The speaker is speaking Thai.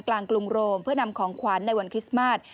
กรุงโรมเพื่อนำของขวัญในวันคริสต์มาส